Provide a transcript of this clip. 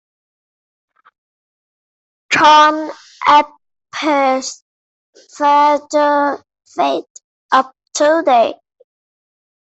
John appears rather fed up today